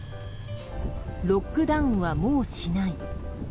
ロックダウンはもうしない。